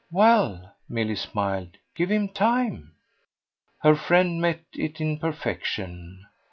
"Well," Milly smiled, "give him time." Her friend met it in perfection.